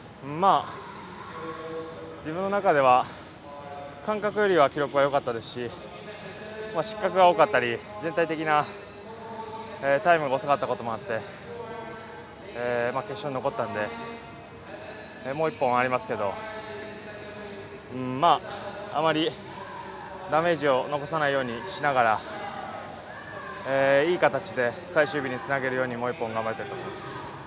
自分の中では感覚よりは記録はよかったですし失格が多かったり全体的なタイムが遅かったこともあって決勝に残ったのでもう１本ありますけど、あまりダメージを残さないようにいい形で最終日につなげるようにもう１本頑張りたいと思います。